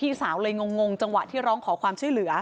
สาวเลยงงจังหวะที่ร้องขอความช่วยเหลือ